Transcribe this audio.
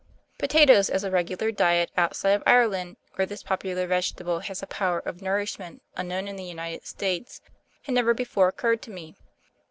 Potatoes as a regular diet, outside of Ireland, where this popular vegetable has a power of nourishment unknown in the United States, had never before occurred to me.